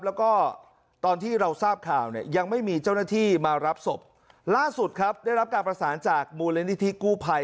แล้วก็ตอนที่เราทราบข่าวเนี่ยยังไม่มีเจ้าหน้าที่มารับศพล่าสุดครับได้รับการประสานจากมูลนิธิกู้ภัย